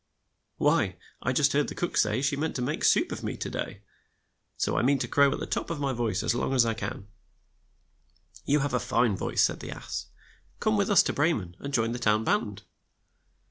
"Why, I just heard the cook say she meant to make soup of me to day; so I mean to crow at the top of my voice as long as I can." "You have a fine voice," said the ass. "Come with us to Bre men, and join the town band.